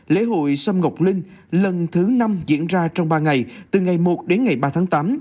lễ hội sâm ngọc linh lần thứ năm diễn ra trong ba ngày từ ngày một đến ngày ba tháng tám